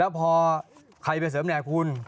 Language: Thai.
แล้วพอใครไปเสริมแนกคุณ